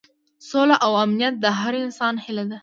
سوله او امنیت د هر انسان هیله ده.